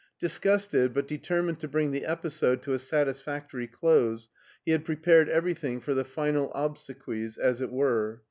Disgusted, but de termined to bring the episode to a satisfactory close, he had prepared everything for the final obsequies, as it were.